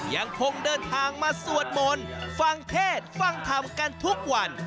ยังคงเดินทางมาสวดมนต์ฟังเทศฟังธรรมกันทุกวัน